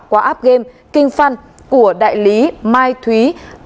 qua app game kingfun của đại lý mai thúy ba nghìn tám trăm tám mươi ba